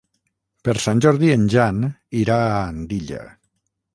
Per Sant Jordi en Jan irà a Andilla.